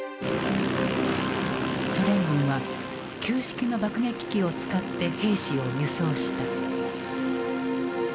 ソ連軍は旧式の爆撃機を使って兵士を輸送した。